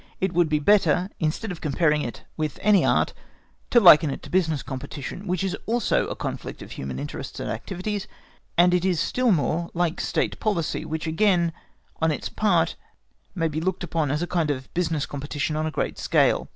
It would be better, instead of comparing it with any Art, to liken it to business competition, which is also a conflict of human interests and activities; and it is still more like State policy, which again, on its part, may be looked upon as a kind of business competition on a great scale.